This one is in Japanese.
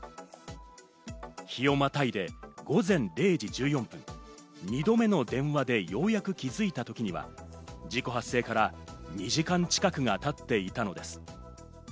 日をまたいで午前０時１４分、２度目の電話でようやく気づいたときには事故発生から２時間近くが経っていたのです。